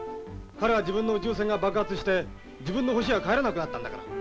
彼は自分の宇宙船が爆発して自分の星へは帰れなくなったんだから。